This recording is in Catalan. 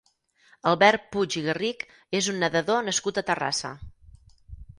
Albert Puig i Garrich és un nedador nascut a Terrassa.